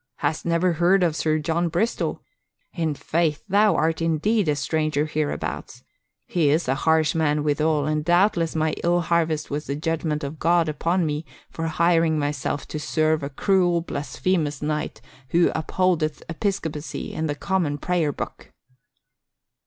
"Hast never heard of Sir John Bristol? In faith, thou art indeed a stranger hereabouts. He is a harsh man withal, and doubtless my ill harvest was the judgment of God upon me for hiring myself to serve a cruel, blasphemous knight who upholdeth episcopacy and the Common Prayer book."